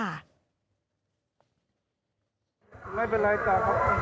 ไม่เป็นไรจ้ะครับ